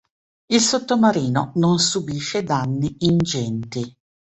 Il sottomarino non subisce danni ingenti.